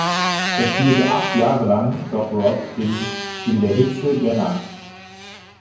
Er spielte acht Jahre lang „Doc“ Robb in „In der Hitze der Nacht“.